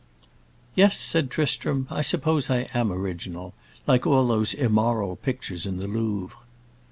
"Yes," said Tristram, "I suppose I am original; like all those immoral pictures in the Louvre."